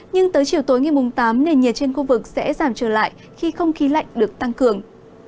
nhưng tới chiều tối ngày tám nền nhiệt trên khu vực sẽ giảm trở lại khi không khí lạnh được tăng cường